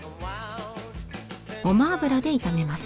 ごま油で炒めます。